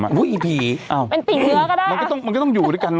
อ่ะโอ้ยอีผีเอามันติดเนื้อก็ด้วยมันก็ต้องมันก็ต้องอยู่ด้วยกัน